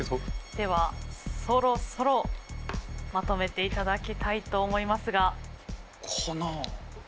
ではそろそろまとめていただきたいと思いますが。かな？